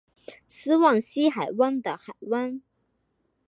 斯旺西海湾的海湾。